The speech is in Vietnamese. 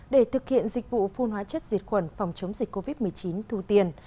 để thực hiện dịch vụ phun hóa chất diệt khuẩn phòng chống dịch covid một mươi chín thu tiền